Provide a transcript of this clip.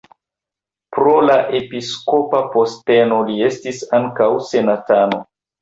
Pro la episkopa posteno li estis ankaŭ senatano.